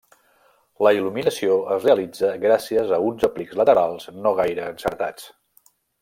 La il·luminació es realitza gràcies a uns aplics laterals no gaire encertats.